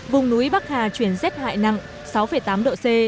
vùng núi bắc hà chuyển rết hải nặng sáu tám độ c